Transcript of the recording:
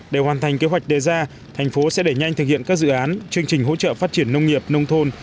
để hoàn thành kế hoạch đề ra thành phố sẽ đẩy nhanh thực hiện các dự án chương trình hỗ trợ phát triển nông nghiệp nông thôn